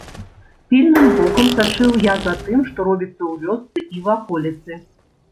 Пільным вокам сачыў я за тым, што робіцца ў вёсцы і ваколіцы.